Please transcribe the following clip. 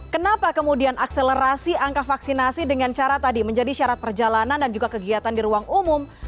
kenapa kemudian akselerasi angka vaksinasi dengan cara tadi menjadi syarat perjalanan dan juga kegiatan di ruang umum